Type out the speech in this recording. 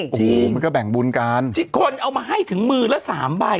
โอ้โหมันก็แบ่งบุญกันคนเอามาให้ถึง๑๐๐๐๐ละ๓ใบ